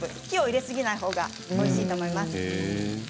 火を入れすぎないほうがおいしいと思います。